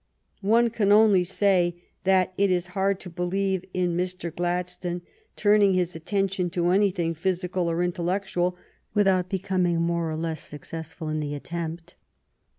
One can only say that it is hard to believe in Mr. Gladstone turning his attention to anything, physical or intellectual, without becom ing more or less successful in the attempt.